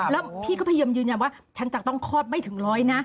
แล้วพี่ก็พยายามยืนยันว่าฉันจะต้องคลอดไม่ถึงร้อยนะ